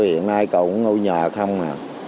hiện nay cậu cũng ngồi nhà không à